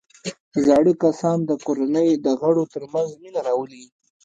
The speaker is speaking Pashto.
زاړه کسان د کورنۍ د غړو ترمنځ مینه راولي